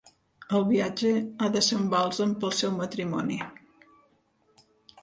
El viatge ha de ser un bàlsam per al seu matrimoni.